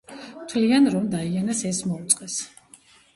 თვლიან, რომ დაიანას ეს მოუწყეს.